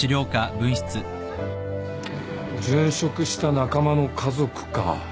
殉職した仲間の家族か。